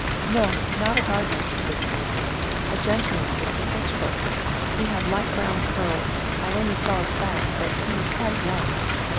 "No, not a gardener," said Celia; "a gentleman with a sketch book. He had light brown curls. I only saw his back. But he was quite young."